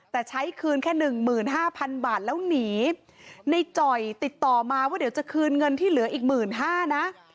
แต่ใช้คืนแค่หนึ่งหมื่นห้าพันบาทแล้วหนีในจ่อยติดต่อมาว่าเดี๋ยวจะคืนเงินที่เหลืออีกหมื่นห้านะ